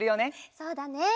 そうだね。